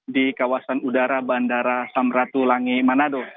di kawasan udara bandara samratulangi manado